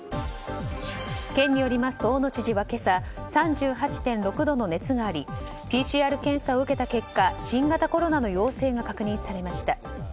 県によりますと大野知事は今朝３８．６度の熱がありＰＣＲ検査を受けた結果新型コロナの陽性が確認されました。